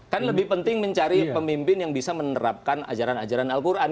kan lebih penting mencari pemimpin yang bisa menerapkan ajaran ajaran al quran